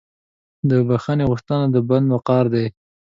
د بخښنې غوښتنه د بنده وقار دی.